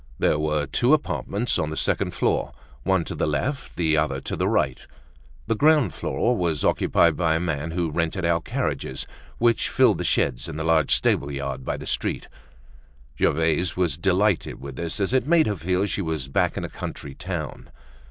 There were two apartments on the second floor, one to the left, the other to the right, The ground floor was occupied by a man who rented out carriages, which filled the sheds in the large stable yard by the street. Gervaise was delighted with this as it made her feel she was back in a country town.